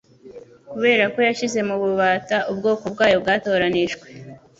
kubera ko yashyize mu bubata ubwoko bwayo bwatoranijwe.